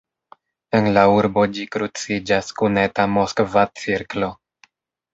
En la urbo ĝi kruciĝas kun Eta Moskva cirklo.